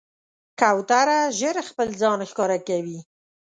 کوتره ژر خپل ځان ښکاره کوي.